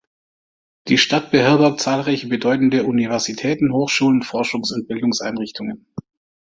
Die Stadt beherbergt zahlreiche bedeutende Universitäten, Hochschulen, Forschungs- und Bildungseinrichtungen.